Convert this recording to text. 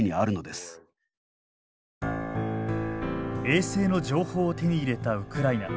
衛星の情報を手に入れたウクライナ。